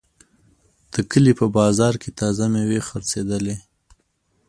د کلي په بازار کې تازه میوې خرڅېدلې.